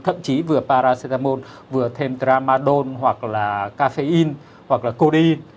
thậm chí vừa paracetamol vừa thêm tramadol hoặc là caffeine hoặc là codeine